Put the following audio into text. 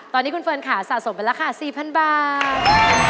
ตอนนี้คุณเฟิร์นค่ะสะสมไปราคา๔๐๐๐บาท